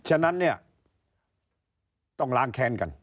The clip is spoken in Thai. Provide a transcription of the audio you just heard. ฉะนั้นเนี่ยต้องล้างแค้นกัน